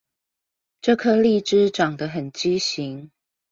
這顆荔枝長得很畸形